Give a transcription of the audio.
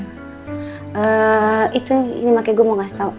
itu ini makanya gue mau ngasih tau